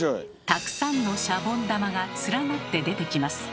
たくさんのシャボン玉が連なって出てきます。